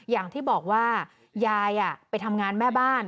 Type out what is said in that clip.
อย่างที่บอกว่ายายไปทำงานแม่บ้าน